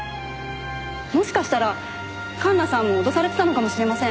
もしかしたら環那さんも脅されてたのかもしれません。